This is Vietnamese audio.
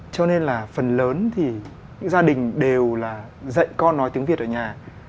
cho nên là phần lớn thì những gia đình đều là dạy con nói tiếng việt ở nhà